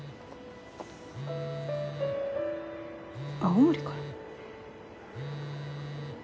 青森から？